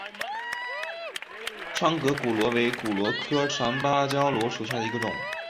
窗格骨螺为骨螺科长芭蕉螺属下的一个种。